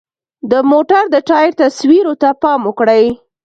د موټر د ټایر تصویرو ته پام وکړئ.